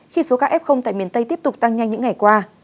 khi số ca f tại miền tây tiếp tục tăng nhanh những ngày qua